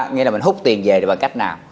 nghĩa là mình hút tiền về bằng cách nào